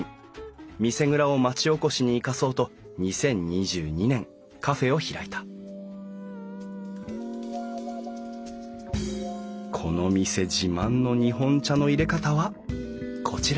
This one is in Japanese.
見世蔵を町おこしに生かそうと２０２２年カフェを開いたこの店自慢の日本茶の淹れ方はこちら